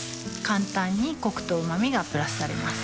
簡単にコクとうま味がプラスされます